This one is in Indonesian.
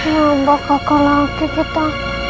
ya ampah kakak laki kita